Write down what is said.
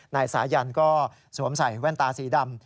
นายสายันก็สวมใส่แว่นตาสีดำ